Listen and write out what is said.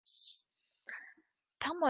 ทั้งหมดนี้ไม่ใช่ทองแต่มันคือกากเพชร